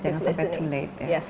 jangan sampai terlambat ya